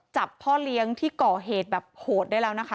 พ่อเลี้ยงที่ก่อเหตุแบบโหดได้แล้วนะคะ